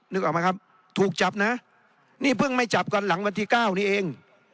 นึกออกไหมครับถูกจับนะนี่เพิ่งไม่จับกันหลังวันที่เก้านี่เอง